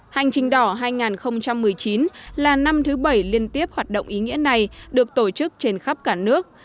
hành trình đỏ hai nghìn một mươi chín là năm thứ bảy liên tiếp hoạt động ý nghĩa này được tổ chức trên khắp cả nước